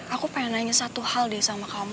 aku pengen nanya satu hal deh sama kamu